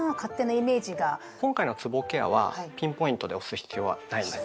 今回のつぼケアはピンポイントで押す必要はないんです。